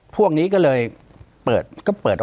ปากกับภาคภูมิ